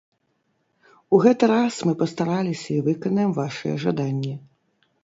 У гэты раз мы пастараліся і выканаем вашыя жаданні!